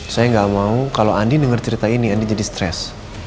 saya gak mau kalau andin dengar cerita ini andin jadi stress